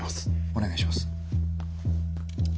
お願いします。